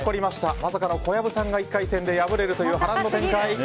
まさかの小籔さんが１回戦で敗れるという波乱の展開。